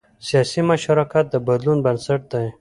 سیاسي مشارکت د بدلون بنسټ دی